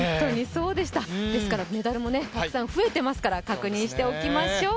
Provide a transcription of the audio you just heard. メダルもたくさん増えていますから、確認しておきましょう。